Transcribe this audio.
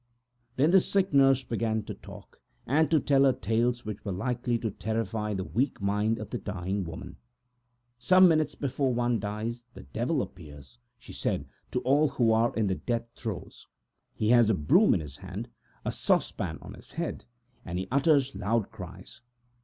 Then the sick nurse began to talk and to tell her tales likely to terrify her weak and dying mind. "Some minutes before one dies the Devil appears," she said, "to all. He has a broom in his hand, a saucepan on his head and he utters loud cries.